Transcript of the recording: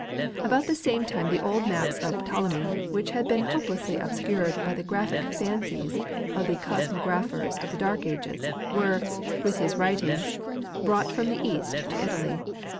About the same time the old maps of Ptolemy, which had been hopelessly obscured by thegraj^hic fancies of thecosmographers of the dark ages, were, with his writings, brought from the East to Italy.